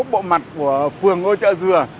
bộ mặt của phường ngôi chợ dừa